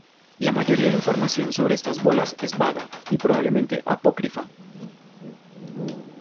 La mayoría de información sobre estas bolas es vaga y probablemente apócrifa.